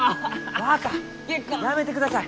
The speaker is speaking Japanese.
若やめてください！